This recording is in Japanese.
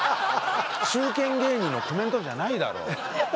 中堅芸人のコメントじゃないだろう。